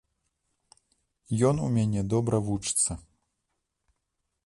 Ён у мяне добра вучыцца.